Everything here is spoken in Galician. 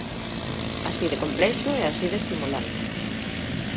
Así de complexo e así de estimulante.